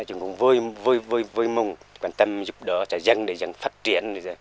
chúng tôi vui mong quan tâm giúp đỡ dân để dân phát triển